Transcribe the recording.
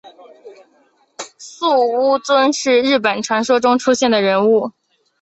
素呜尊是日本传说中出现的人物。